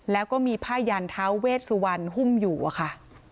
แล้วก็มีผ้ายันท้าเวชสุวรรณหุ้มอยู่อะค่ะ